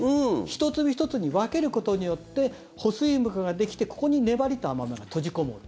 １粒１粒に分けることによって保水膜ができてここに粘りと甘味が閉じこもる。